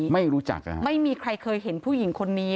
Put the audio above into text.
ไม่รู้จักไม่มีใครเคยเห็นผู้หญิงคนนี้